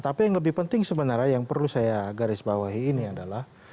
tapi yang lebih penting sebenarnya yang perlu saya garis bawahi ini adalah